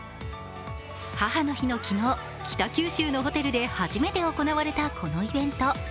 母の日の昨日、北九州のホテルで初めて行われたこのイベント。